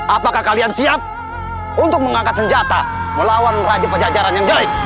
apakah kalian siap untuk mengangkat senjata melawan raja pejajaran yang baik